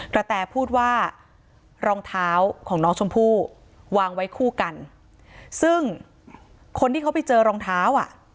แตพูดว่ารองเท้าของน้องชมพู่วางไว้คู่กันซึ่งคนที่เขาไปเจอรองเท้าอ่ะ